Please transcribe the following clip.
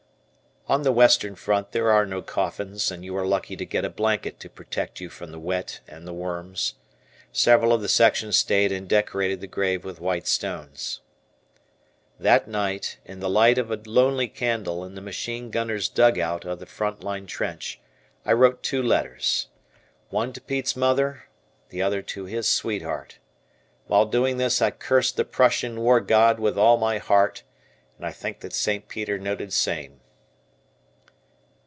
On the Western Front there are no coffins, and you are lucky to get a blanket to protect you from the wet and the worms. Several of the section stayed and decorated the grave with white stones. That night, in the light of a lonely candle in the machine gunner's dugout of the front line trench, I wrote two letters. One to Pete's mother, the other to his sweetheart. While doing this I cursed the Prussian war god with all my heart, and I think that St. Peter noted same.